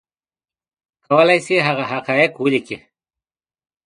کولی شي هغه حقایق ولیکي